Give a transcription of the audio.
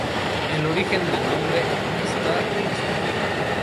El origen del nombre está discutido.